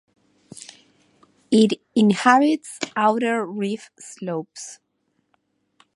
It inhabits outer reef slopes.